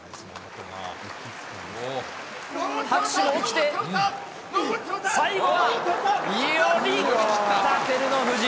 拍手が起きて、最後は寄り切った照ノ富士。